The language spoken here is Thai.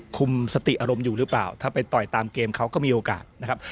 คุมสติอารมณ์อยู่หรือเปล่าถ้าไปต่อยตามเกมเขาก็มีโอกาสนะครับ